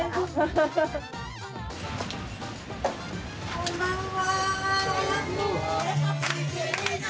こんばんは！